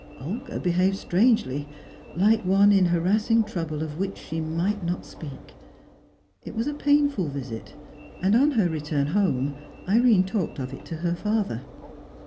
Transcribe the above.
Olga behaved strangely, like one in harassing trouble of which she might not speak. It was a painful visit, and on her return home Irene talked of it to her father.